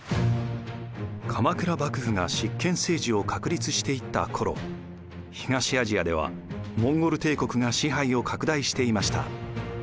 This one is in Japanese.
鎌倉幕府が執権政治を確立していった頃東アジアではモンゴル帝国が支配を拡大していました。